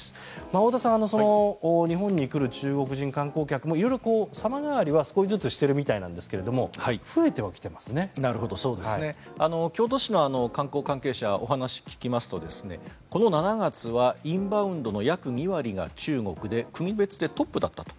太田さん、日本に来る中国人観光客も色々、様変わりは少しずつしてはいるみたいなんですが京都市の観光関係者にお話を聞きますとこの７月はインバウンドの約７割が中国で国別でトップだったと。